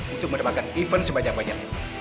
untuk mendapatkan event sebanyak banyak